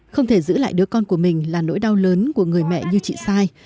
không thể giữ lại đứa con của mình là nỗi đau lớn của người mẹ như chị sai